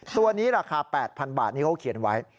ตัวนี้ราคา๘๐๐บาทนี่เขาเขียนไว้